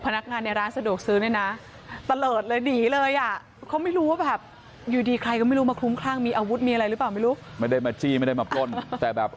พนักงานในร้านสะดวกซื้อเนี่ยนะตะเลิดเลยหนีเลย